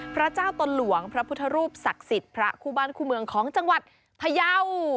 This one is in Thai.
พระเจ้าตนหลวงพระพุทธรูปศักดิ์สิทธิ์พระคู่บ้านคู่เมืองของจังหวัดพยาว